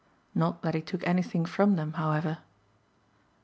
Not that he took anything from them however.